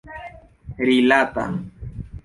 rilata